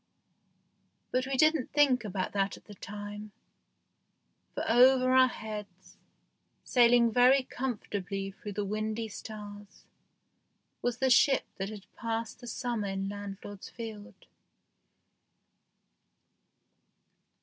But we didn't think about that at the time ; for over our heads, sailing very comfortably through the windy stars, was the ship that had passed the summer in landlord's field.